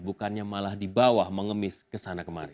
bukannya malah di bawah mengemis kesana kemari